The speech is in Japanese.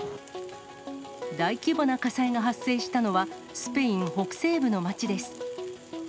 大規模な火災が発生したのは、スペイン北西部の町です。